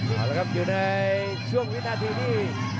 มาแล้วครับอยู่ในช่วงวินาทีนี้